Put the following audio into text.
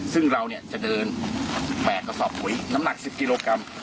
ซึ่งเราจะเดินแฝกกระสอบปุ๋ยน้ำหนัก๑๐กิโลกรัม